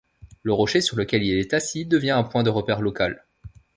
Le rocher sur lequel il est assis devient un point de repère local.